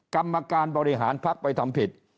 กรรมการบริหารพักไปทำผิด